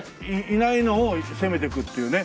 いないのを攻めていくっていうね。